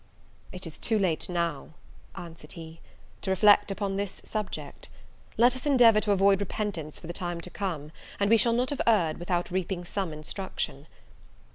"It is too late now," answered he, "to reflect upon this subject; let us endeavour to avoid repentance for the time to come, and we shall not have erred without reaping some instruction."